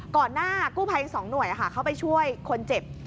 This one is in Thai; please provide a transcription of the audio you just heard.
ก่อนหน้ากู้ภัยทั้งสองหน่วยเข้าไปช่วยคนเจ็บ